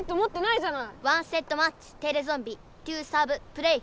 １セットマッチテレゾンビトゥーサーブプレイ！